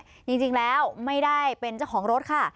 จริงแล้วไม่ได้เป็นเจ้าของรถค่ะ